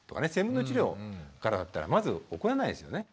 １，０００分の１の量からだったらまず起こらないですよね。